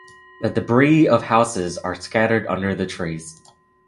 The debris of houses are scattered under the trees.